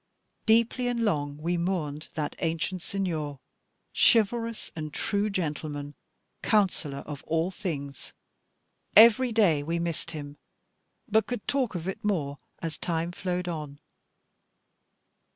Deeply and long we mourned that ancient Signor, chivalrous and true gentleman, counsellor of all things. Every day we missed him; but could talk of it more as time flowed on.